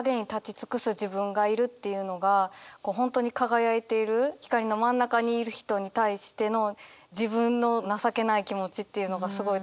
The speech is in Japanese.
っていうのが本当に輝いている光りの真ん中にいる人に対しての自分の情けない気持ちっていうのがすごい